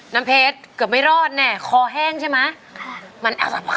น้ำเพชรเกือบไม่รอดแน่คอแห้งใช่ไหม